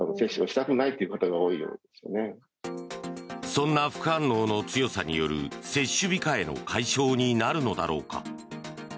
そんな副反応の強さによる接種控えの解消になるのだろうか。